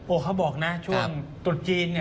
โอ้เขาบอกนะช่วงถูทจีนเนี่ย